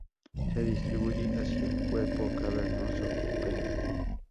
Se distribuye hacia el cuerpo cavernoso del pene.